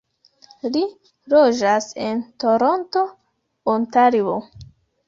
Li loĝas en Toronto, Ontario.